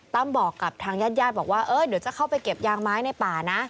ตั้มบอกกับทางย่านบอกว่าเดี๋ยวจะเข้าไปเก็บยางไม้ในป่านะ